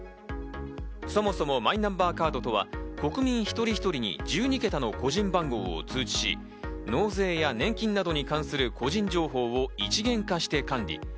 そもそもマイナンバーカードとは国民一人一人に１２桁の個人番号を通知し、納税や年金などに関する個人情報を一元化して管理。